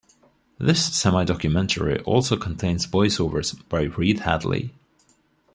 This semidocumentary also contains voice-overs by Reed Hadley.